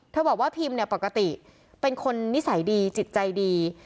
เธอบอกว่าพิมปกติเป็นคนนิสัยดีจิตใจดี